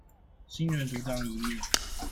新人獨當一面